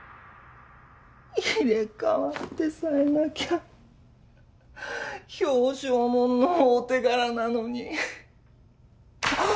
入れ替わってさえいなきゃ表彰もんの大手柄なのにあっ！